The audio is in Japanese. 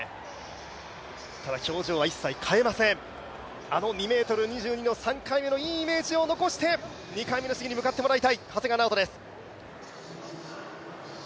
ただ、表情は一切変えません、あの２ｍ２２のいいイメージを残して２回目の試技に向かってもらいたい長谷川直人です。